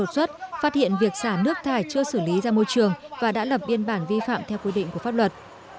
xuất phát hiện việc xả nước thải chưa xử lý ra môi trường và đã lập biên bản vi phạm theo quy định của pháp luật